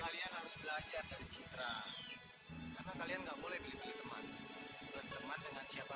kalian harus belajar dari citra karena kalian nggak boleh beli beli teman berteman dengan siapa